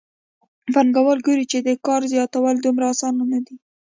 پانګوال ګوري چې د کار زیاتول دومره اسانه نه دي